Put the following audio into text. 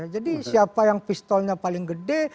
jadi siapa yang pistolnya paling gede